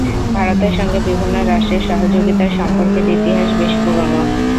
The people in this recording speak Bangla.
ভারতের সঙ্গে বিভিন্ন রাষ্ট্রের সহযোগিতার সম্পর্কের ইতিহাস বেশ পুরনো।